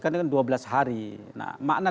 kan dua belas hari nah makna